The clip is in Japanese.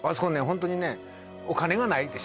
ホントにねお金がないでしょ